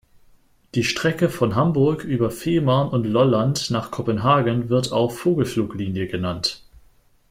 Die Strecke von Hamburg über Fehmarn und Lolland nach Kopenhagen wird auch Vogelfluglinie genannt.